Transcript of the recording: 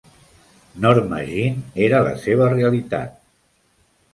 Norma Jean era la seva realitat.